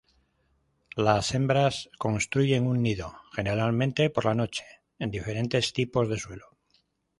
Las hembras construyen un nido, generalmente por la noche, en diferentes tipos de suelo.